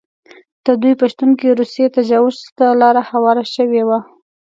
د دوی په شتون کې روسي تجاوز ته لاره هواره شوې وه.